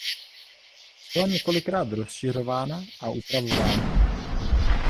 Byla několikrát rozšiřována a upravována.